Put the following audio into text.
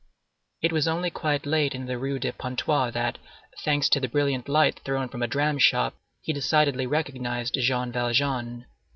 It was only quite late in the Rue de Pontoise, that, thanks to the brilliant light thrown from a dram shop, he decidedly recognized Jean Valjean.